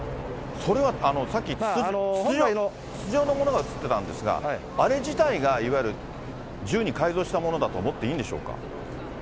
それはさっき、筒状のものがうつってたんですが、あれ自体が、いわゆる銃に改造したものだと思っていいんでしょうか。